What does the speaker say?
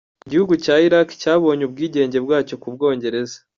Igihugu cya Iraq cyabonye ubwigenge bwacyo ku Bwongereza.